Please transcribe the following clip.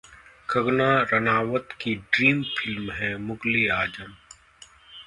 कंगना राणाउत की dream film है ‘मुगल-ए-आजम’